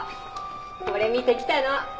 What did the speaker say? これ見て来たの。